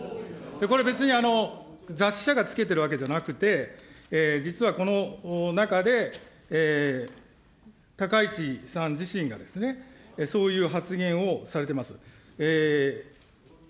これ、別に雑誌社がつけているわけじゃなくて、実はこの中で、高市さん自身がですね、そういう発言をされています。